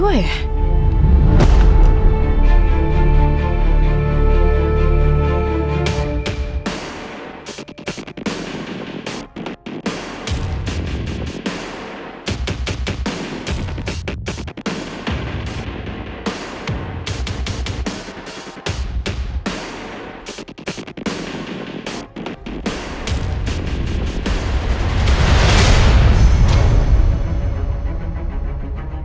kayaknya dia bos